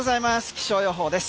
気象予報です。